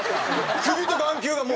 首と眼球がもう。